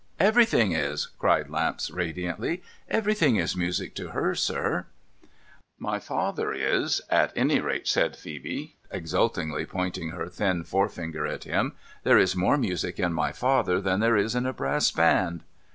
'Everything is!' cried Lamps radiantly. 'Everything is music to her, sir.' * My father is, at any rate,' said Phcebe, exultingly pointing her thin forefinger at him. ' There is more music in my fi\ther than there is in a brass band.'